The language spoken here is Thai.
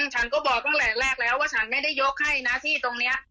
ฉันก็บอกตั้งแต่แรกแล้วว่าฉันไม่ได้ยกให้นะที่ตรงนี้